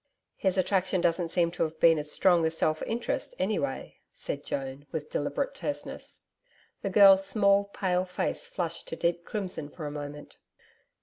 'His attraction doesn't seem to have been as strong as self interest, any way,' said Joan, with deliberate terseness. The girl's small, pale face flushed to deep crimson for a moment.